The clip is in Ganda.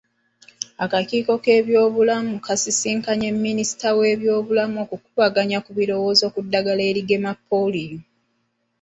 Akakiiko k'ebyobulamu kaasisinkanye Minisita w'ebyobulamu okukubaganya ebirowoozo ku ddagala erigema ppooliyo.